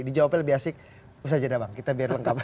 dijawabnya lebih asik usah aja dah bang kita biar lengkap